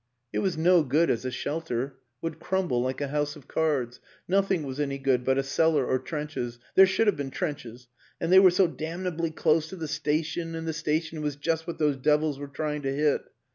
It was no good as a shelter would crumble like a house of cards. Nothing was any good but a cellar or trenches there should have been trenches. And they were so damnably close to the station, and the station was just what those devils were trying to hit.